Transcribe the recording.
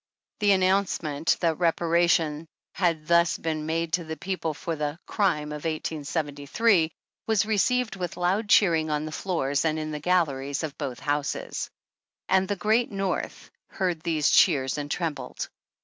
The announcement that reparation had thus been made to the people for the Crime of 1873 " was re ceived with loud cheering on the floors and in the galleries of both houses. And the Great North heard these cheers and trembled.